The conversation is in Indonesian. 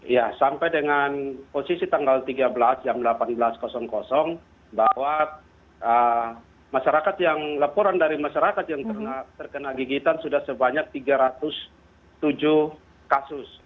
ya sampai dengan posisi tanggal tiga belas jam delapan belas bahwa laporan dari masyarakat yang terkena gigitan sudah sebanyak tiga ratus tujuh kasus